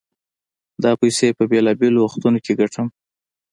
دا پيسې په بېلابېلو وختونو کې ګټم.